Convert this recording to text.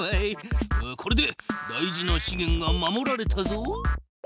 これで大事なしげんが守られたぞ。